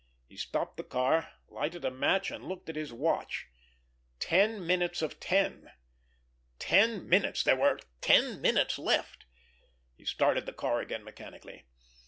He stopped the car, lighted a match, and looked at his watch. Ten minutes of ten! Ten minutes! There were ten minutes left! He started the car again mechanically.